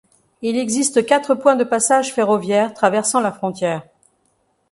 Il existe quatre points de passages ferroviaires traversant la frontière.